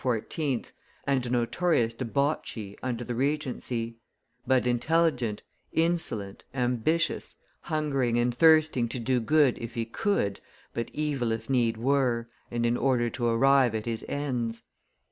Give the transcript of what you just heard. and a notorious debauchee under the Regency, but intelligent, insolent, ambitious, hungering and thirsting to do good if he could, but evil if need were, and in order to arrive at his ends.